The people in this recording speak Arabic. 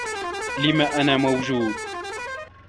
لم أنا موجود؟